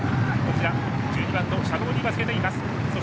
１２番シャドウディーヴァがつけています。